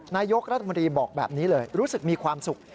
นายกรัฐมนตรีบอกแบบนี้เลยรู้สึกมีความสุข